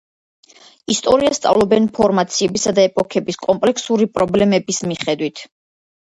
ისტორიას სწავლობენ ფორმაციებისა და ეპოქების, კომპლექსური პრობლემების მიხედვით.